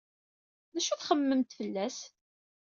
D acu ay txemmememt fell-as?